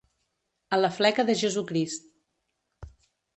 A la fleca de Jesucrist.